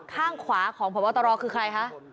ข้างขวาของพบตรคือใครคะ